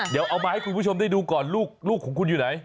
เดี๋ยวเอามาให้คุณผู้ชมได้ดูก่อนลูกของคุณอยู่ไหน